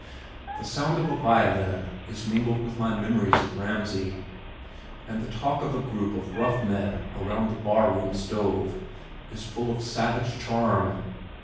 The sound of a violin is mingled with my memories of Ramsey, and the talk of a group of rough men around the bar room stove is full of savage charm.